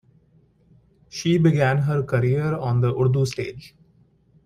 She began her career on the Urdu stage.